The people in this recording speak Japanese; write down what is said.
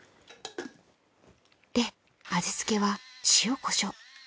で味付けは塩コショウ。